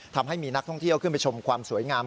ทำให้มีนักท่องเที่ยวขึ้นไปชมความสวยงาม